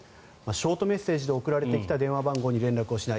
ショートメッセージで送られてきた電話番号に電話しない。